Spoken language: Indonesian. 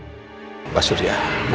sampai nanti kita bacakan lagi